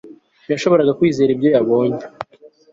ntiyashoboraga kwizera ibyo yabonye